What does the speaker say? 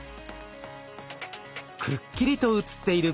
くっきりと写っている